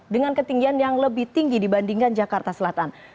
dengan ketinggian yang lebih tinggi dibandingkan jakarta selatan